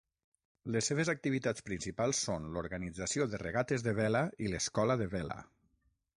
Les seves activitats principals són: l'organització de regates de vela i l'escola de vela.